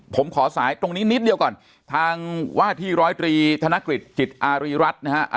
ผมขอสายตรงนี้นิดเดียวก่อนทางว่าที่๑๐๓ธนกฤทธิ์จิตอารีรัตน์นะฮะ